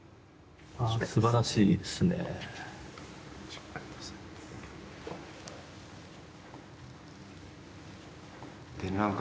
あすばらしいですね。